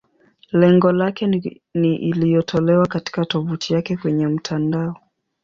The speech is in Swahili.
Lengo lake ni iliyotolewa katika tovuti yake kwenye mtandao.